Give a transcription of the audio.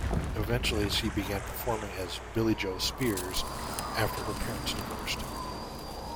Eventually she began performing as Billie Jo Spears after her parents divorced.